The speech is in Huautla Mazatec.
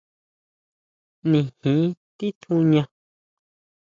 Nijin titjuñá.